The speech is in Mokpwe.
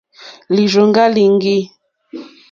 Lìrzòŋɡá líŋɡî.